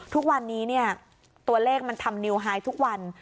ทุกวันนี้เนี่ยตัวเลขมันทำนิวไฮทุกวัน